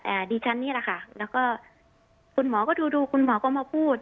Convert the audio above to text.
ดิฉันนี่แหละค่ะแล้วก็คุณหมอก็ดูดูคุณหมอก็มาพูด